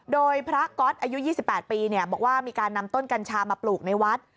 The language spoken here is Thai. โดยพระก๊อตอายุ๒๘ปีบอกว่ามีการนำต้นกัญชามาปลูกในวัด